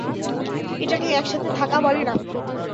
এটাকে একসাথে থাকা বলে না।